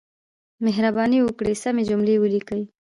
مهرباني وکړئ سمې جملې ولیکئ.